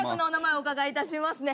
お伺いいたしますね。